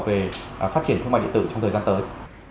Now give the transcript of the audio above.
về phát triển thương mại điện tử trong thời gian tới